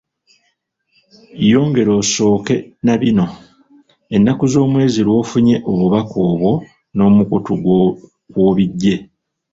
Yongera osseeko na bino; ennaku z’omwezi lw’ofunye obubaka obwo n'omukutu kw’obiggye.